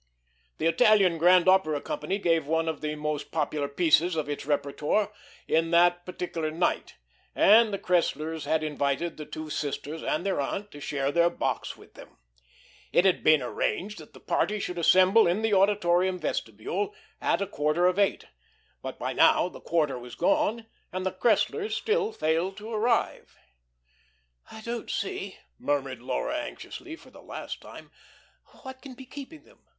The Italian Grand Opera Company gave one of the most popular pieces of its repertoire on that particular night, and the Cresslers had invited the two sisters and their aunt to share their box with them. It had been arranged that the party should assemble in the Auditorium vestibule at a quarter of eight; but by now the quarter was gone and the Cresslers still failed to arrive. "I don't see," murmured Laura anxiously for the last time, "what can be keeping them.